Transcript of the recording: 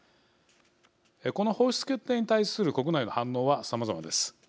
この放出決定に対する国内の反応は、さまざまです。